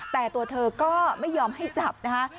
แต่ตัวเธอก็ไม่ยอมให้จับนะคะ